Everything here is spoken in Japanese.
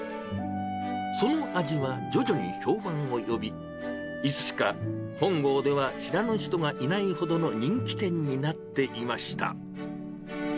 その味は徐々に評判を呼び、いつしか本郷では知らぬ人がいないほどの人気店になっていました。